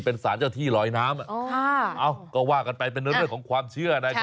เป็นสารเจ้าที่ลอยน้ำก็ว่ากันไปเป็นเรื่องของความเชื่อนะครับ